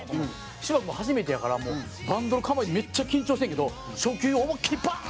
シバ君も初めてやからもうバントの構えでめっちゃ緊張してるけど初球思いっきりバーン！